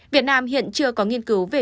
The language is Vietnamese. việt nam hiện chưa có nghiên cứu về